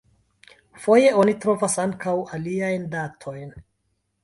Foje oni trovas ankaŭ aliajn datojn.